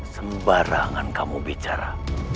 sembarangan kamu bicara